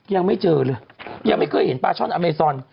ยังไม่เจอเลยยังไม่เคยเห็นปลาช่อนอเมซอน